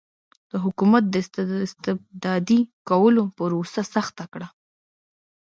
د حکومت د استبدادي کولو پروسه سخته کړه.